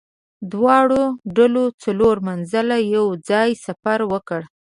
دواړو ډلو څلور منزله یو ځای سفر وکړ.